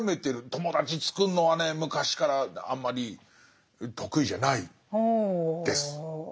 友達つくるのはね昔からあんまり得意じゃないです。